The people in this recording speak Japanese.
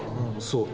そう。